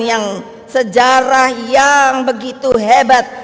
yang sejarah yang begitu hebat